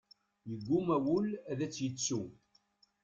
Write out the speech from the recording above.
Yeggumma wul ad tt-yettu.